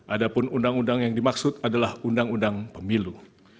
ada pun undang undang yang dimaksud adalah undang undang pemilu